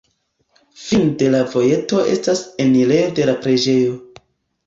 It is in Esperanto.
Fine de la vojeto estas enirejo de la preĝejo.